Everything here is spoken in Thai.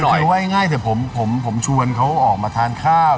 เคยไหว้ง่ายแต่ผมชวนเขาออกมาทานข้าว